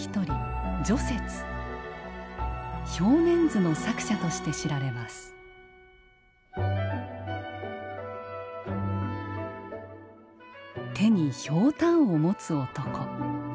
「瓢鮎図」の作者として知られます手にひょうたんを持つ男。